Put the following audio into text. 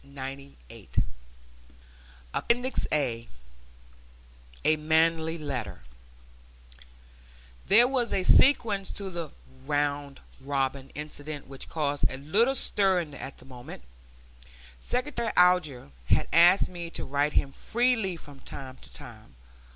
APPENDIX A A MANLY LETTER There was a sequel to the "round robin" incident which caused a little stir at the moment; Secretary Alger had asked me to write him freely from time to time.